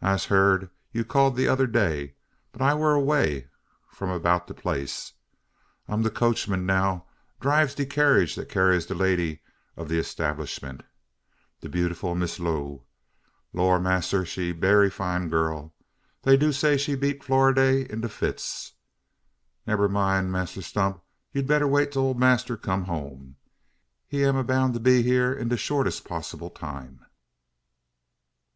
Ise heern you called de odder day; but I war away from 'bout de place. I'm de coachman now dribes de carriage dat carries de lady ob de 'tablishment de bewful Missy Loo. Lor, massr, she berry fine gal. Dey do say she beat Florinday into fits. Nebba mind, Mass 'Tump, you better wait till ole massr come home. He am a bound to be hya, in de shortess poss'ble time."